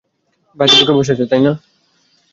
বাইরে লোক বসে আছে, তাই না?